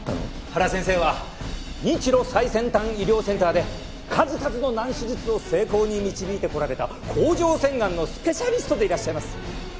原先生は日露最先端医療センターで数々の難手術を成功に導いてこられた甲状腺がんのスペシャリストでいらっしゃいます。